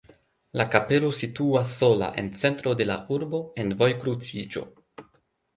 La kapelo situas sola en centro de la urbo en vojkruciĝo.